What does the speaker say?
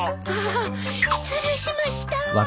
あぁ失礼しました！